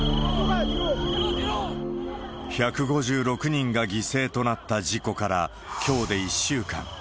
１５６人が犠牲となった事故から、きょうで１週間。